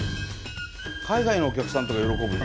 海外のお客さんとか喜ぶよね。